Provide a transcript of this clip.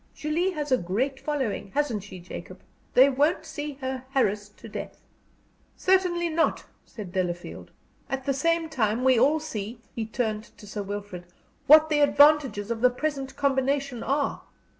Julie has a great following hasn't she, Jacob? They won't see her harassed to death." "Certainly not," said Delafield. "At the same time we all see" he turned to Sir Wilfrid "what the advantages of the present combination are.